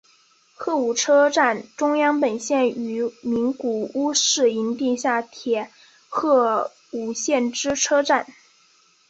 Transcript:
鹤舞车站中央本线与名古屋市营地下铁鹤舞线之车站。